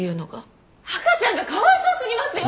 赤ちゃんがかわいそうすぎますよ！